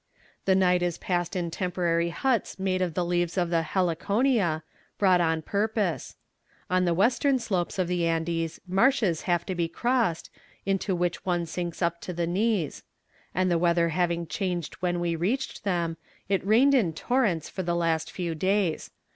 The night is passed in temporary huts made of the leaves of the heliconia, brought on purpose. On the western slopes of the Andes marshes have to be crossed, into which one sinks up to the knees; and the weather having changed when we reached them, it rained in torrents for the last few days.